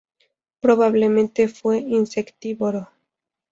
Probablemente fue insectívoro.